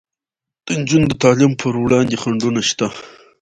د نجونو د تعلیم پر وړاندې خنډونه شته.